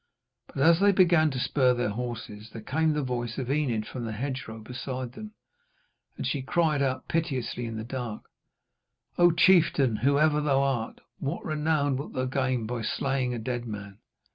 But as they began to spur their horses, there came the voice of Enid from the hedgerow beside them. And she cried out piteously in the dark: 'O chieftain, whoever thou art, what renown wilt thou gain by slaying a dead man?'